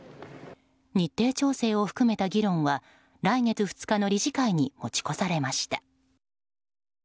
日程調整を含めた議論は来月２日の理事会に持ち越されました。